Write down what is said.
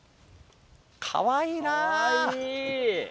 かわいいな。